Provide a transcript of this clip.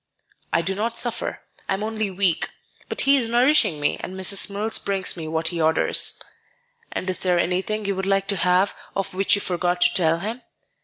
"I do not suffer. I am only weak; but he is nourishing me, and Mrs. Mills brings me what he orders." "And is there anything you would like to have of which you forgot to tell him?"